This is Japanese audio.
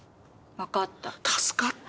助かった。